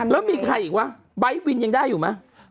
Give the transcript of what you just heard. แล้วมีใครอีกวะไบท์วินยังได้อยู่ไหม